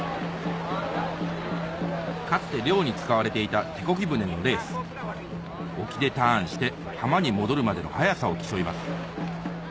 かつて漁に使われていた手こぎ舟のレース沖でターンして浜に戻るまでの速さを競います